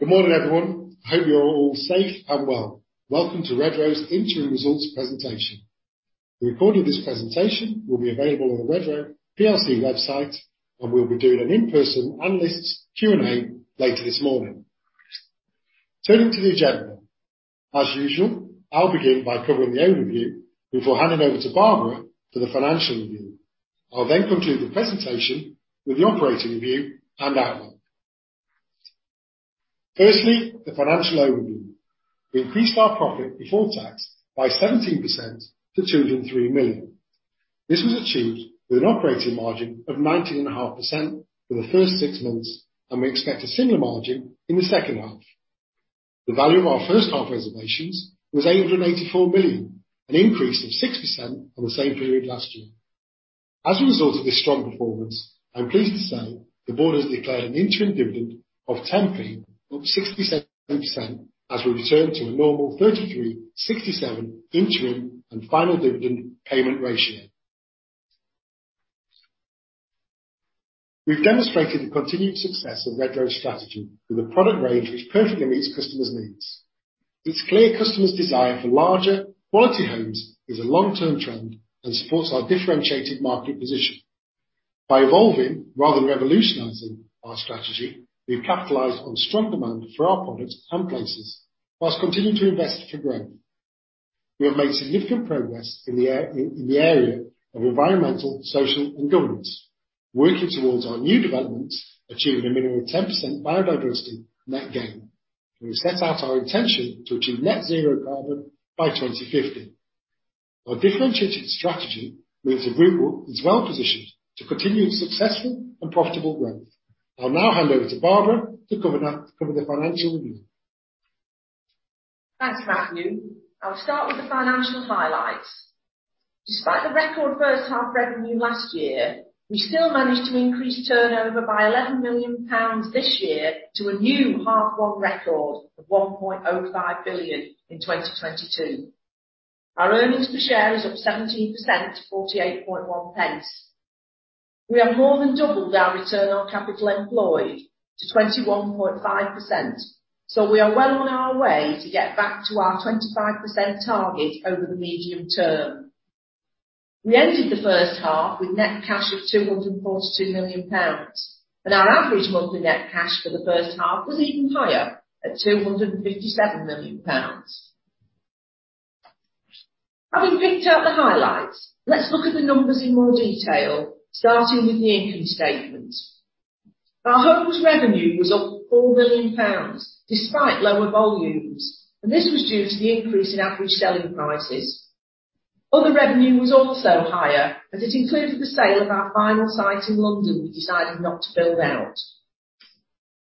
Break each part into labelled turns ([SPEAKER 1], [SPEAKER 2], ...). [SPEAKER 1] Good morning, everyone. Hope you're all safe and well. Welcome to Redrow's Interim Results presentation. A recording of this presentation will be available on the Redrow plc website, and we'll be doing an in-person analysts Q&A later this morning. Turning to the agenda. As usual, I'll begin by covering the overview before handing over to Barbara for the financial review. I'll then conclude the presentation with the operating review and outlook. Firstly, the financial overview. We increased our profit before tax by 17% to 203 million. This was achieved with an operating margin of 19.5% for the first six months, and we expect a similar margin in the second half. The value of our first half reservations was 884 million, an increase of 6% from the same period last year. As a result of this strong performance, I'm pleased to say the board has declared an interim dividend of 10p, up 67% as we return to a normal 33/67 interim and final dividend payment ratio. We've demonstrated the continued success of Redrow's strategy with a product range which perfectly meets customers' needs. It's clear customers' desire for larger quality homes is a long-term trend and supports our differentiated market position. By evolving rather than revolutionizing our strategy, we've capitalized on strong demand for our products and places whilst continuing to invest for growth. We have made significant progress in the area of environmental, social, and governance, working towards our new developments, achieving a minimum of 10% biodiversity net gain. We set out our intention to achieve net zero carbon by 2050. Our differentiated strategy means the group is well-positioned to continue successful and profitable growth. I'll now hand over to Barbara to cover the financial review.
[SPEAKER 2] Thanks, Matthew. I'll start with the financial highlights. Despite the record first half revenue last year, we still managed to increase turnover by 11 million pounds this year to a new half-year record of 1.05 billion in 2022. Our earnings per share is up 17% to 0.481. We have more than doubled our return on capital employed to 21.5%, so we are well on our way to get back to our 25% target over the medium term. We ended the first half with net cash of 242 million pounds, and our average monthly net cash for the first half was even higher at 257 million pounds. Having picked out the highlights, let's look at the numbers in more detail, starting with the income statement. Our homes revenue was up 4 million pounds despite lower volumes, and this was due to the increase in average selling prices. Other revenue was also higher as it included the sale of our final site in London we decided not to build out.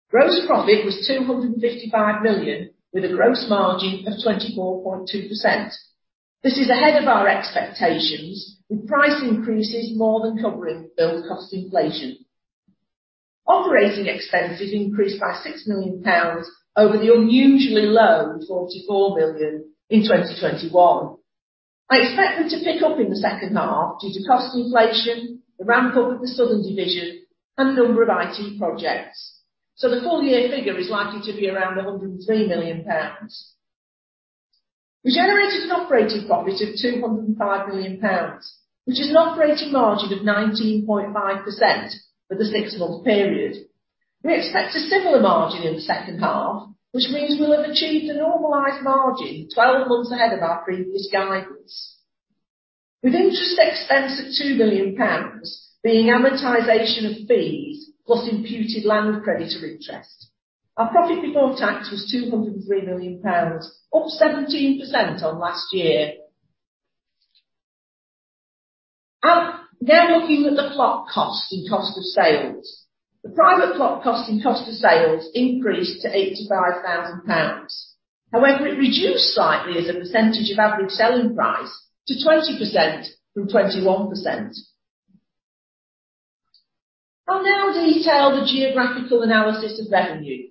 [SPEAKER 2] Gross profit was GBP 255 million with a gross margin of 24.2%. This is ahead of our expectations, with price increases more than covering build cost inflation. Operating expenses increased by 6 million pounds over the unusually low 44 million in 2021. I expect them to pick up in the second half due to cost inflation, the ramp-up of the Southern division and a number of IT projects, so the full year figure is likely to be around 103 million pounds. We generated an operating profit of 205 million pounds, which is an operating margin of 19.5% for the six-month period. We expect a similar margin in the second half, which means we'll have achieved a normalized margin twelve months ahead of our previous guidance. With interest expense of 2 million pounds being amortization of fees plus imputed land creditor interest, our profit before tax was 203 million pounds, up 17% on last year. Now looking at the plot cost and cost of sales. The private plot cost and cost of sales increased to 85,000 pounds. However, it reduced slightly as a percentage of average selling price to 20% from 21%. I'll now detail the geographical analysis of revenue.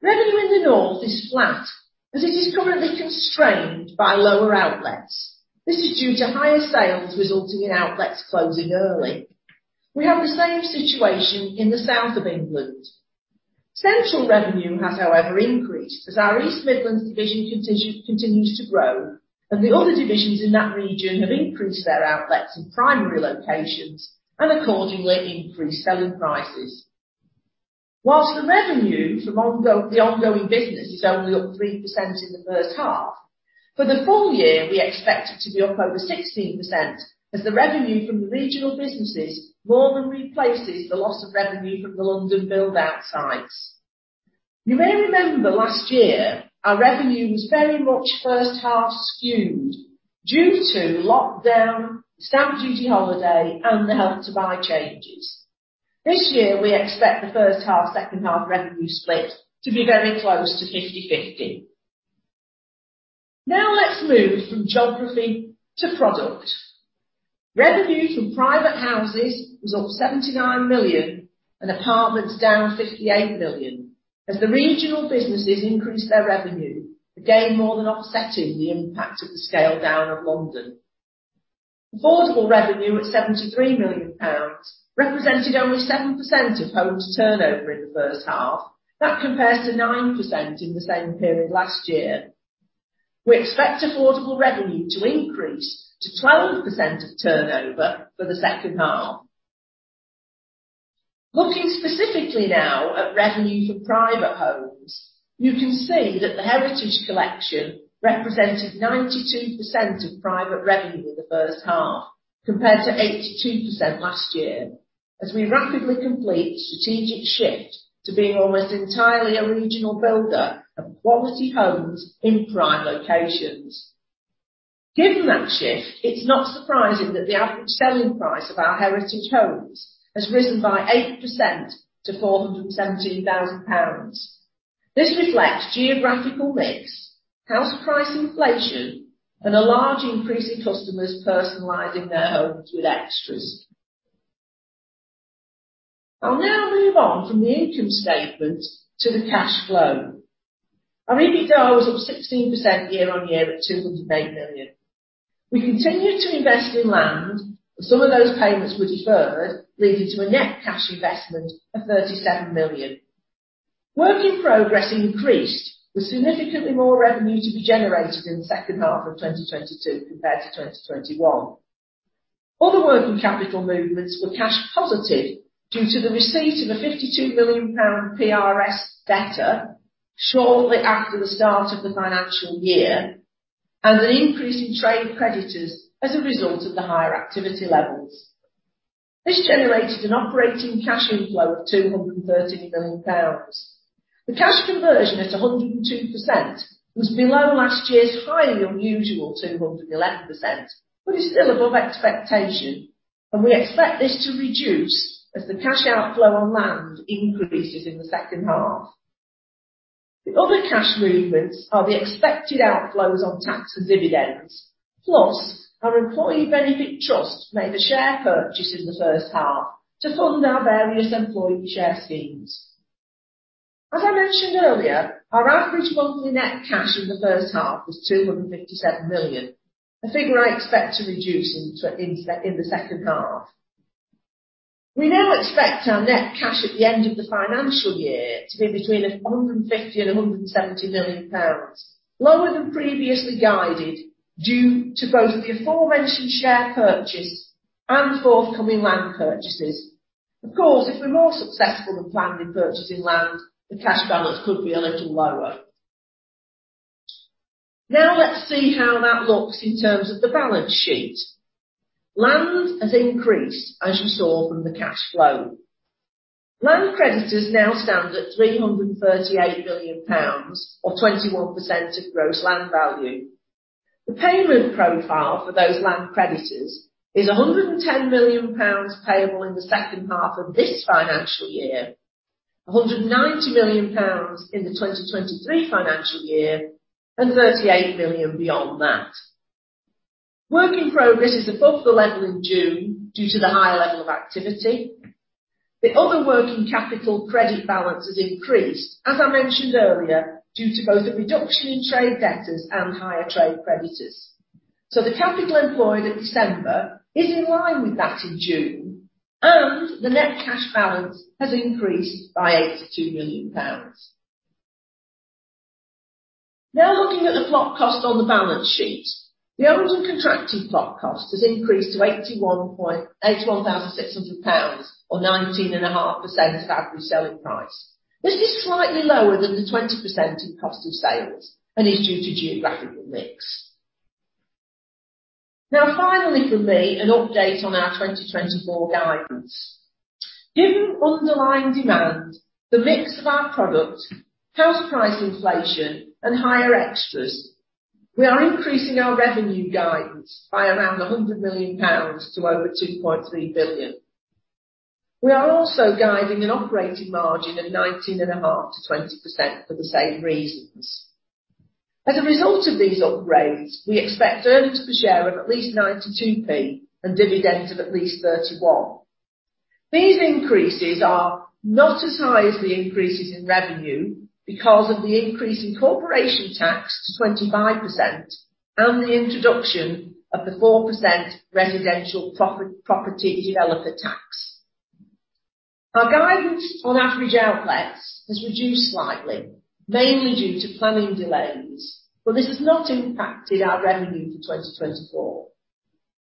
[SPEAKER 2] Revenue in the north is flat as it is currently constrained by lower outlets. This is due to higher sales resulting in outlets closing early. We have the same situation in the South of England. Central revenue has, however, increased as our East Midlands division continues to grow and the other divisions in that region have increased their outlets in primary locations and accordingly increased selling prices. While the revenue from the ongoing business is only up 3% in the first half, for the full year, we expect it to be up over 16% as the revenue from the regional businesses more than replaces the loss of revenue from the London build-out sites. You may remember last year, our revenue was very much first half skewed due to lockdown, stamp duty holiday, and the Help to Buy changes. This year we expect the first half/second half revenue split to be very close to 50/50. Now let's move from geography to product. Revenue from private houses was up 79 million and apartments down 58 million as the regional businesses increased their revenue, again more than offsetting the impact of the scale down of London. Affordable revenue at GBP 73 million represented only 7% of homes turnover in the first half. That compares to 9% in the same period last year. We expect affordable revenue to increase to 12% of turnover for the second half. Looking specifically now at revenue for private homes, you can see that the Heritage Collection represented 92% of private revenue in the first half compared to 82% last year, as we rapidly complete strategic shift to being almost entirely a regional builder of quality homes in prime locations. Given that shift, it's not surprising that the average selling price of our Heritage homes has risen by 8% to 417,000 pounds. This reflects geographical mix, house price inflation, and a large increase in customers' personalizing their homes with extras. I'll now move on from the income statement to the cash flow. Our EBITDA was up 16% year-on-year at 208 million. We continued to invest in land, and some of those payments were deferred, leading to a net cash investment of 37 million. Work in progress increased, with significantly more revenue to be generated in the second half of 2022 compared to 2021. Other working capital movements were cash positive due to the receipt of a 52 million pound PRS debtor shortly after the start of the financial year and an increase in trade creditors as a result of the higher activity levels. This generated an operating cash inflow of 230 million pounds. The cash conversion at 102% was below last year's highly unusual 211%, but is still above expectation, and we expect this to reduce as the cash outflow on land increases in the second half. The other cash movements are the expected outflows on tax and dividends. Plus, our employee benefit trust made a share purchase in the first half to fund our various employee share schemes. As I mentioned earlier, our average monthly net cash in the first half was 257 million, a figure I expect to reduce in the second half. We now expect our net cash at the end of the financial year to be between 150 million and 170 million pounds, lower than previously guided due to both the aforementioned share purchase and forthcoming land purchases. Of course, if we're more successful than planned in purchasing land, the cash balance could be a little lower. Now let's see how that looks in terms of the balance sheet. Land has increased, as you saw from the cash flow. Land creditors now stand at 338 million pounds or 21% of gross land value. The payment profile for those land creditors is 110 million pounds payable in the second half of this financial year, 190 million pounds in the 2023 financial year, and 38 million beyond that. Work in progress is above the level in June due to the higher level of activity. The other working capital credit balance has increased, as I mentioned earlier, due to both a reduction in trade debtors and higher trade creditors. The capital employed at December is in line with that in June, and the net cash balance has increased by 82 million pounds. Now looking at the plot cost on the balance sheet. The original contracted plot cost has increased to 81,600 pounds, or 19.5% of average selling price. This is slightly lower than the 20% in cost of sales and is due to geographical mix. Now finally from me, an update on our 2024 guidance. Given underlying demand, the mix of our product, house price inflation, and higher extras, we are increasing our revenue guidance by around 100 million pounds to over 2.3 billion. We are also guiding an operating margin of 19.5%-20% for the same reasons. As a result of these upgrades, we expect earnings per share of at least 92p and dividend of at least 31p. These increases are not as high as the increases in revenue because of the increase in corporation tax to 25% and the introduction of the 4% Residential Property Developer Tax. Our guidance on average outlets has reduced slightly, mainly due to planning delays, but this has not impacted our revenue for 2024.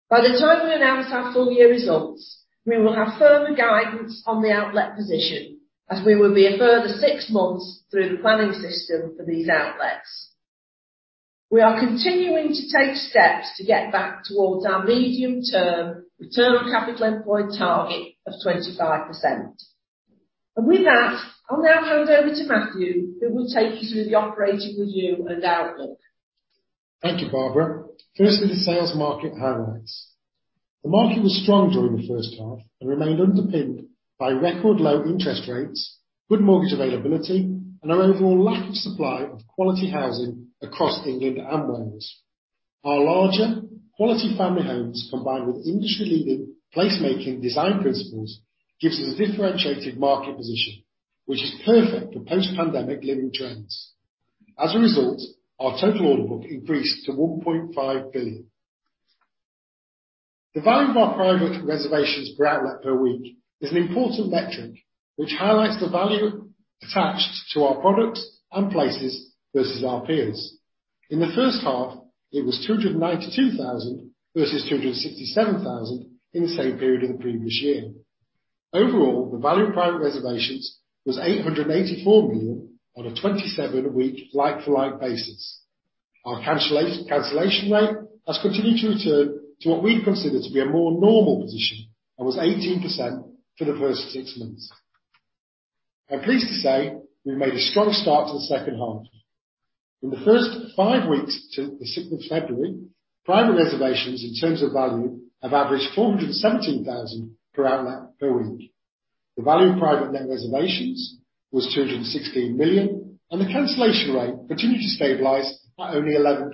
[SPEAKER 2] By the time we announce our full year results, we will have further guidance on the outlet position as we will be a further six months through the planning system for these outlets. We are continuing to take steps to get back towards our medium-term return on capital employed target of 25%. With that, I'll now hand over to Matthew, who will take you through the operating review and outlook.
[SPEAKER 1] Thank you, Barbara. Firstly, the sales market highlights. The market was strong during the first half and remained underpinned by record low interest rates, good mortgage availability, and an overall lack of supply of quality housing across England and Wales. Our larger quality family homes, combined with industry-leading place making design principles, gives us a differentiated market position, which is perfect for post-pandemic living trends. As a result, our total order book increased to 1.5 billion. The value of our private reservations per outlet per week is an important metric which highlights the value attached to our products and places versus our peers. In the first half, it was 292,000 versus 267,000 in the same period in the previous year. Overall, the value of private reservations was 884 million on a 27-week like-for-like basis. Our cancellation rate has continued to return to what we consider to be a more normal position, and was 18% for the first six months. I'm pleased to say we've made a strong start to the second half. In the first five weeks to the 6th February, private reservations in terms of value have averaged 417,000 per outlet per week. The value of private net reservations was 216 million, and the cancellation rate continued to stabilize at only 11%.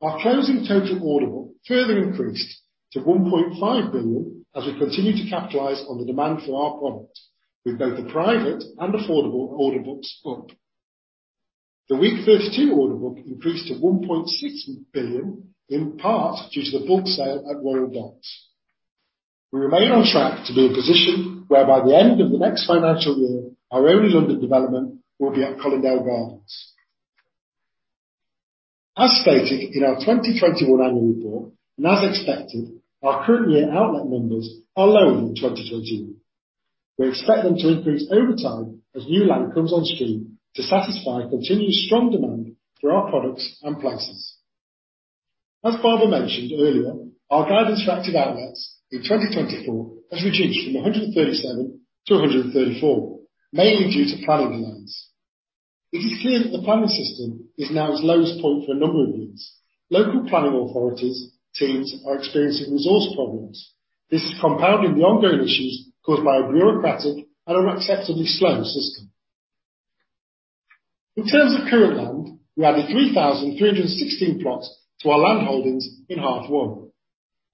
[SPEAKER 1] Our closing total order book further increased to 1.5 billion as we continue to capitalize on the demand for our product, with both the private and affordable order books up. The week 52 order book increased to 1.6 billion, in part due to the bulk sale at Royal Docks. We remain on track to be in a position where by the end of the next financial year, our only London development will be at Colindale Gardens. As stated in our 2021 annual report, and as expected, our current year outlet numbers are lower than 2020. We expect them to increase over time as new land comes on stream to satisfy continued strong demand for our products and prices. As Barbara mentioned earlier, our guidance for active outlets in 2024 has reduced from 137 to 134, mainly due to planning delays. It is clear that the planning system is now at its lowest point for a number of years. Local planning authorities teams are experiencing resource problems. This is compounding the ongoing issues caused by a bureaucratic and unacceptably slow system. In terms of current land, we added 3,316 plots to our land holdings in H1.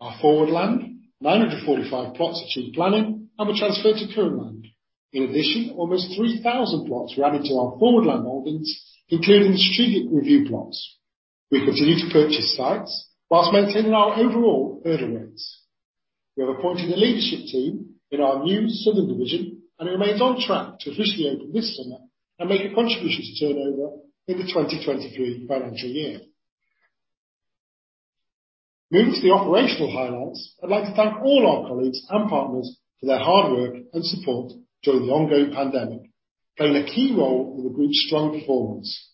[SPEAKER 1] Our forward land, 945 plots achieved planning and were transferred to current land. In addition, almost 3,000 plots were added to our forward land holdings, including strategic review plots. We continue to purchase sites while maintaining our overall hurdle rates. We have appointed a leadership team in our new Southern division, and it remains on track to officially open this summer and make a contribution to turnover in the 2023 financial year. Moving to the operational highlights, I'd like to thank all our colleagues and partners for their hard work and support during the ongoing pandemic, playing a key role in the group's strong performance.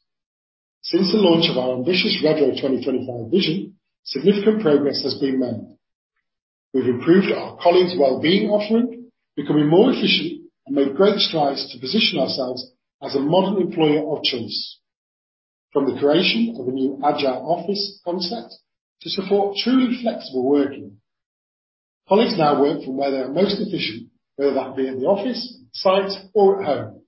[SPEAKER 1] Since the launch of our ambitious Redrow 2025 vision, significant progress has been made. We've improved our colleagues' wellbeing offering, becoming more efficient, and made great strides to position ourselves as a modern employer of choice, from the creation of a new agile office concept to support truly flexible working. Colleagues now work from where they are most efficient, whether that be in the office, site, or at home.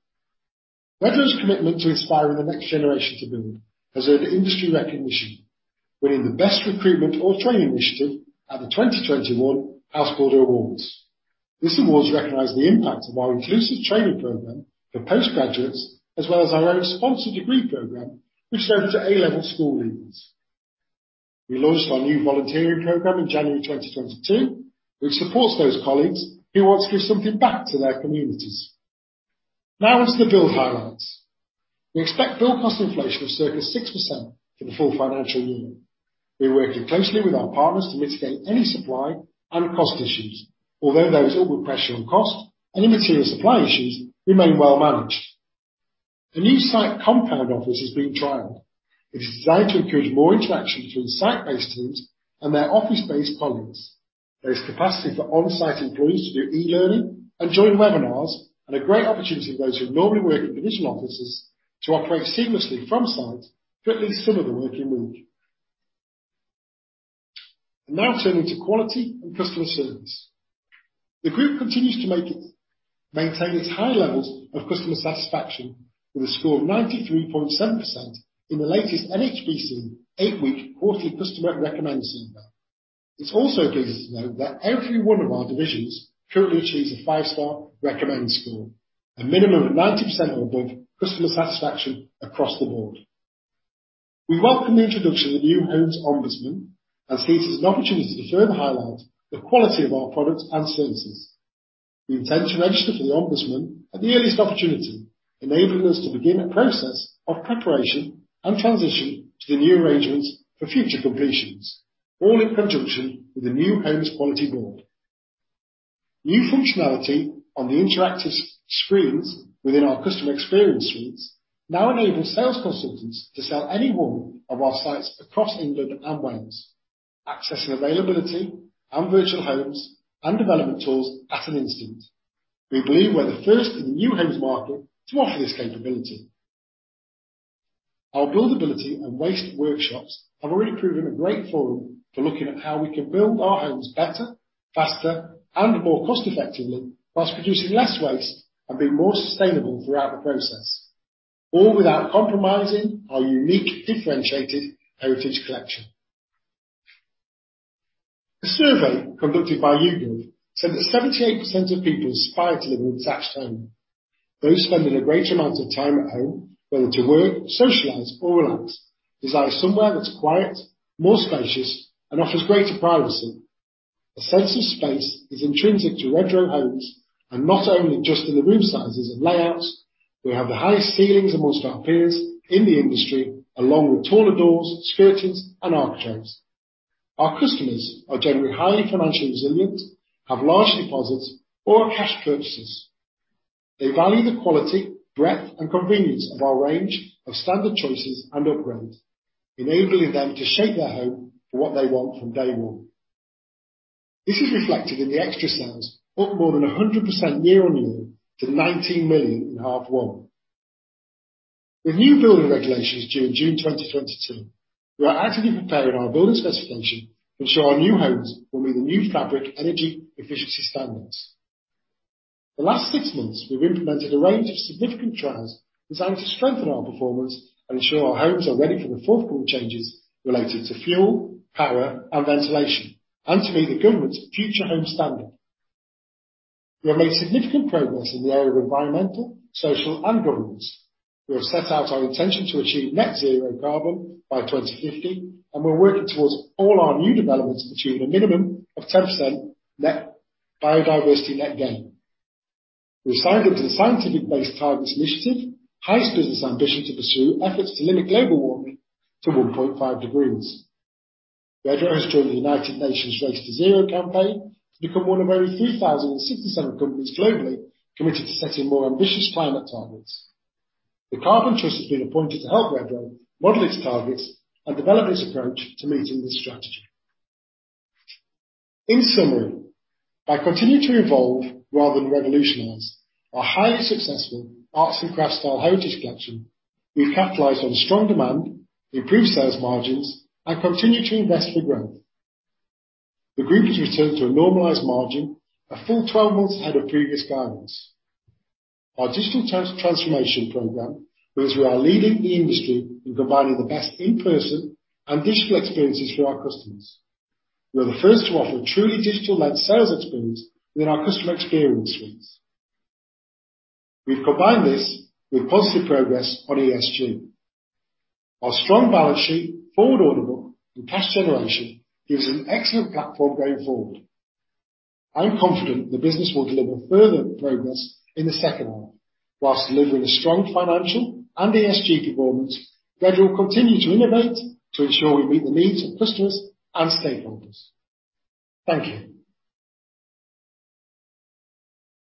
[SPEAKER 1] Redrow's commitment to inspiring the next generation to build has earned industry recognition, winning the Best Recruitment or Training Initiative at the 2021 Housebuilder Awards. This award recognizes the impact of our inclusive training program for postgraduates, as well as our own sponsored degree program, which is open to A-level school leavers. We launched our new volunteering program in January 2022, which supports those colleagues who want to give something back to their communities. Now onto the build highlights. We expect build cost inflation of circa 6% for the full financial year. We're working closely with our partners to mitigate any supply and cost issues, although those upward pressures on costs and any material supply issues remain well managed. A new site compound office is being trialed. It is designed to encourage more interaction between site-based teams and their office-based colleagues. There is capacity for on-site employees to do e-learning and join webinars, and a great opportunity for those who normally work in traditional offices to operate seamlessly from site for at least some of the working week. I'll now turn to quality and customer service. The group continues to maintain its high levels of customer satisfaction with a score of 93.7% in the latest NHBC eight-week quarterly customer recommendation. It also gives us to know that every one of our divisions currently achieves a five-star recommend score, a minimum of 90% or above customer satisfaction across the board. We welcome the introduction of the New Homes Ombudsman as it is an opportunity to further highlight the quality of our products and services. We intend to register for the New Homes Ombudsman at the earliest opportunity, enabling us to begin a process of preparation and transition to the new arrangements for future completions, all in conjunction with the New Homes Quality Board. New functionality on the interactive screens within our Customer Experience Suites now enable sales consultants to sell any one of our sites across England and Wales, accessing availability and virtual homes and development tools at an instant. We believe we're the first in the new homes market to offer this capability. Our buildability and waste workshops have already proven a great forum for looking at how we can build our homes better, faster, and more cost-effectively, while producing less waste and being more sustainable throughout the process, all without compromising our unique differentiated Heritage Collection. A survey conducted by YouGov said that 78% of people aspire to live in a detached home. Those spending a great amount of time at home, whether to work, socialize, or relax, desire somewhere that's quiet, more spacious, and offers greater privacy. A sense of space is intrinsic to Redrow Homes, and not only just in the room sizes and layouts. We have the highest ceilings among our peers in the industry, along with taller doors, skirtings, and architraves. Our customers are generally highly financially resilient, have large deposits, or are cash purchasers. They value the quality, breadth, and convenience of our range of standard choices and upgrades, enabling them to shape their home for what they want from day one. This is reflected in the extra sales, up more than 100% year-on-year to 19 million in half one. With new building regulations due in June 2022, we are actively preparing our building specification to ensure our new homes will meet the new Fabric Energy Efficiency Standards. The last six months, we've implemented a range of significant trials designed to strengthen our performance and ensure our homes are ready for the forthcoming changes related to fuel, power, and ventilation, and to meet the government's Future Homes Standard. We have made significant progress in the area of environmental, social, and governance. We have set out our intention to achieve net zero carbon by 2050, and we're working towards all our new developments achieving a minimum of 10% biodiversity net gain. We have signed into the Science Based Targets initiative, highlights business ambition to pursue efforts to limit global warming to 1.5 degrees. Redrow has joined the United Nations Race to Zero campaign to become one of only 3,067 companies globally, committed to setting more ambitious climate targets. The Carbon Trust has been appointed to help Redrow model its targets and develop its approach to meeting this strategy. In summary, by continuing to evolve rather than revolutionize our highly successful Arts and Crafts-style Heritage Collection, we've capitalized on strong demand, improved sales margins, and continue to invest for growth. The group has returned to a normalized margin a full 12 months ahead of previous guidance. Our digital transformation program means we are leading the industry in providing the best in-person and digital experiences for our customers. We are the first to offer a truly digital-led sales experience within our Customer Experience Suites. We've combined this with positive progress on ESG. Our strong balance sheet, forward order book, and cash generation gives an excellent platform going forward. I am confident the business will deliver further progress in the second half. Whilst delivering a strong financial and ESG performance, Redrow will continue to innovate to ensure we meet the needs of customers and stakeholders. Thank you.